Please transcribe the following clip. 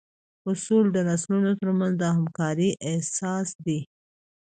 اصول د نسلونو تر منځ د همکارۍ اساس دي.